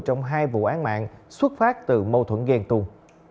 trong hai vụ án mạng xuất phát từ mâu thuẫn ghen tuồng